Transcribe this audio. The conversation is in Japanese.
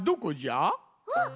あっ！